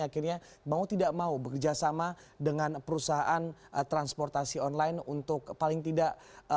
akhirnya mau tidak mau bekerja sama dengan perusahaan transportasi online untuk paling tidak